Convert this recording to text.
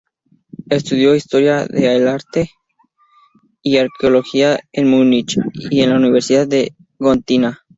Estudió historia del arte y arqueología en Múnich y en la Universidad de Gotinga.